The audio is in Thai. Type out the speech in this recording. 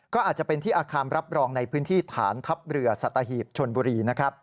ก็อาจจะเป็นที่อาคารรับรองในพื้นที่ฐานทัพเรือสัตหีบชนบุรี